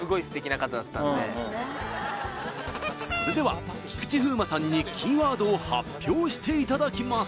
それでは菊池風磨さんにキーワードを発表していただきます